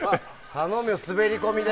頼むよ、滑り込みで。